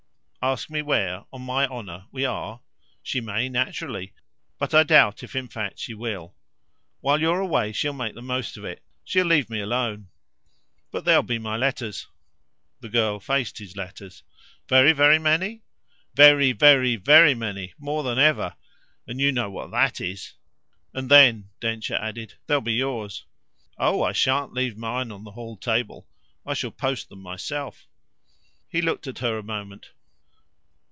"Ask me where, on my honour, we are? She may, naturally; but I doubt if in fact she will. While you're away she'll make the most of that drop of the tension. She'll leave me alone." "But there'll be my letters." The girl faced his letters. "Very, very many?" "Very, very, very many more than ever; and you know what that is! And then," Densher added, "there'll be yours." "Oh I shan't leave mine on the hall table. I shall post them myself." He looked at her a moment.